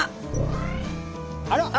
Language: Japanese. あら！